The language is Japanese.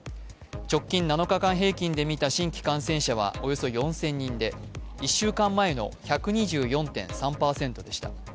直近７日間平均でみた新規感染者はおよそ４０００人で１週間前の１２４．３％でした。